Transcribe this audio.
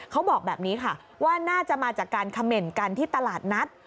เขาบอกแบบนี้ค่ะว่าน่าจะมาจากการเขม่นกันที่ตลาดนัด